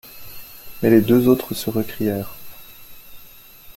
Mais les deux autres se récrièrent.